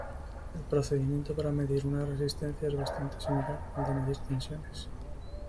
El procedimiento para medir una resistencia es bastante similar al de medir tensiones.